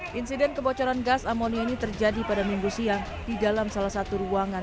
hai insiden kebocoran gas amoni ini terjadi pada minggu siang di dalam salah satu ruangan